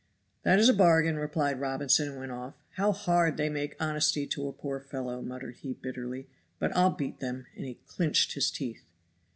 "That is a bargain," replied Robinson, and went off. "How hard they make honesty to a poor fellow," muttered he bitterly, "but I'll beat them," and he clinched his teeth.